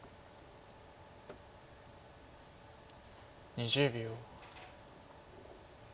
２０秒。